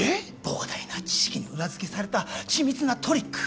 膨大な知識に裏付けされた緻密なトリック